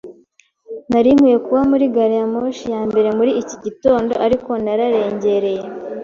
Nari nkwiye kuba muri gari ya moshi ya mbere muri iki gitondo, ariko nararengereye.